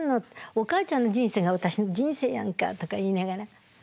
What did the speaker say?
おかあちゃんの人生が私の人生やんか」とか言いながら。